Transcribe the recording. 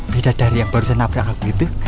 beda dari yang barusan napra aku gitu